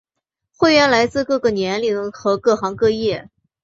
会员来自各个年龄和各行各业。